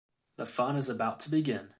The fun is about to begin.